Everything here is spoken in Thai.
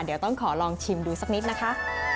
เดี๋ยวต้องขอลองชิมดูสักนิดนะคะ